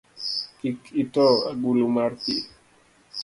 Kik ito agulu mar pi